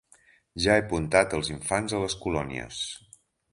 Ja he apuntat els infants a les colònies.